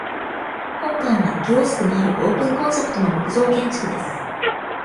本館はキオスクのあるオープンコンセプトの木造建築です。